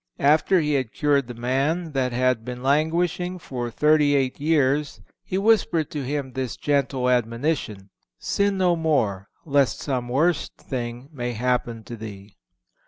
After he had cured the man that had been languishing for thirty eight years He whispered to him this gentle admonition, "Sin no more, lest some worst thing may happen to thee."